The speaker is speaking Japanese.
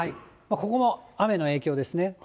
ここも雨の影響ですね。